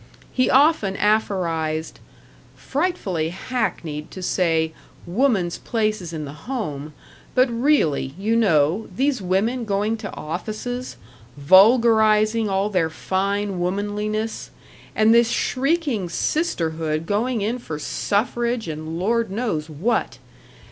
He often aphorized, "Frightfully hackneyed to say, 'woman's place is in the home,' but really, you know, these women going to offices, vulgarizing all their fine womanliness, and this shrieking sisterhood going in for suffrage and Lord knows what.